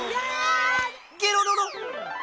ゲロロロ。